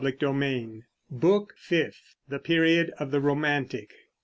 Book Fifth. THE Period of the Romantic.